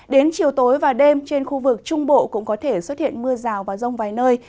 đến chiều tối và đêm trên khu vực trung bộ cũng có thể xuất hiện mưa rào và rông vài nơi